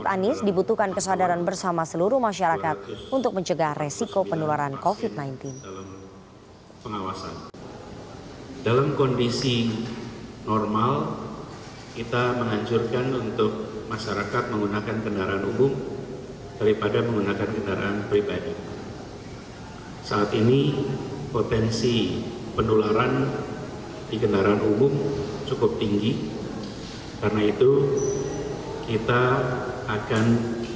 anies juga meminta seluruh warga dki jakarta untuk lebih banyak penyelenggaraan